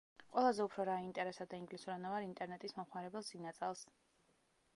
ყველაზე უფრო რა აინტერესებდა ინგლისურენოვან ინტერნეტის მომხმარებელს წინა წელს?